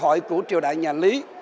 phật giáo lý của triều đại nhà lý